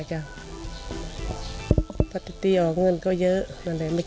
แตนปรีมโทนตาก็มีเยอะมาก